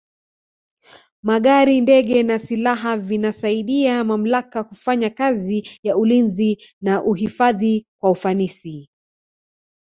magari ndege na silaha vinasaidia mamlaka kufanya kazi ya ulinzi na uhifadhi kwa ufanisi